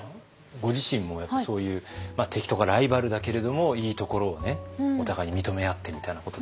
ご自身もやっぱりそういう敵とかライバルだけれどもいいところをねお互いに認め合ってみたいなことってありますか？